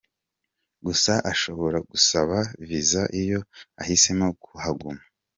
Gusa ashobora gusaba viza iyo ahisemo kuhaguma.